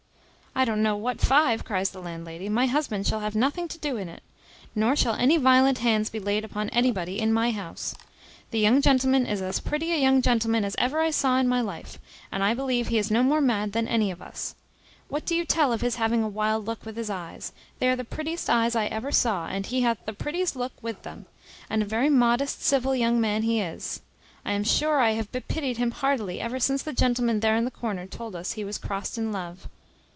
"I don't know what five," cries the landlady, "my husband shall have nothing to do in it. Nor shall any violent hands be laid upon anybody in my house. The young gentleman is as pretty a young gentleman as ever I saw in my life, and I believe he is no more mad than any of us. What do you tell of his having a wild look with his eyes? they are the prettiest eyes I ever saw, and he hath the prettiest look with them; and a very modest civil young man he is. I am sure I have bepitied him heartily ever since the gentleman there in the corner told us he was crost in love.